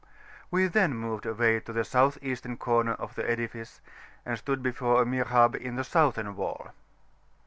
We then moved away to the South Eastern corner of the edifice, and stood before a Mihrab in the Southern wall.